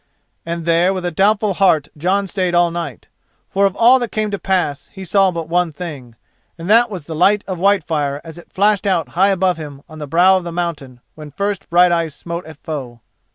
And there with a doubtful heart Jon stayed all that night. For of all that came to pass he saw but one thing, and that was the light of Whitefire as it flashed out high above him on the brow of the mountain when first Brighteyes smote at foe.